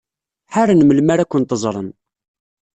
Ḥaren melmi ara kent-ẓren.